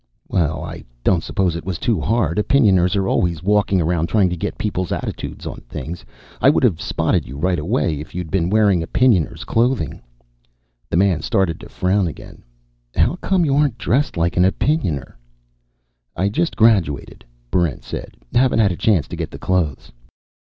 "Well, I don't suppose it was too hard. Opinioners are always walking around trying to get people's attitudes on things. I would have spotted you right away if you'd been wearing Opinioners' clothing." The man started to frown again. "How come you aren't dressed like an Opinioner?" "I just graduated," Barrent said. "Haven't had a chance to get the clothes."